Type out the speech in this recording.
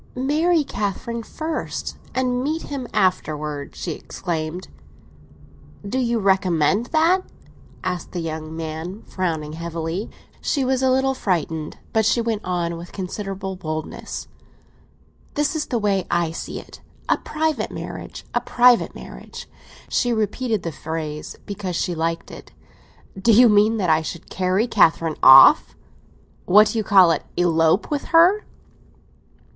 "Marry Catherine first and meet him afterwards!" she exclaimed. "Do you recommend that?" asked the young man, frowning heavily. She was a little frightened, but she went on with considerable boldness. "That is the way I see it: a private marriage—a private marriage." She repeated the phrase because she liked it. "Do you mean that I should carry Catherine off? What do they call it—elope with her?"